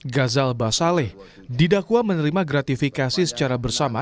gazalba saleh didakwa menerima gratifikasi secara bersama